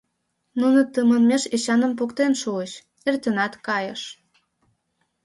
Нуно тыманмеш Эчаным поктен шуыч, эртенат кайышт.